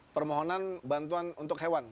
permohonan bantuan untuk hewan